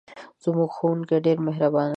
زموږ ښوونکی ډېر مهربان دی.